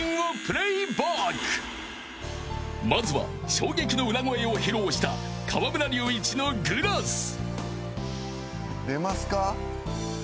［まずは衝撃の裏声を披露した河村隆一の『Ｇｌａｓｓ』］